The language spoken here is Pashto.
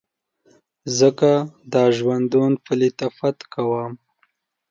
ځکه دا ژوندون په لطافت کوم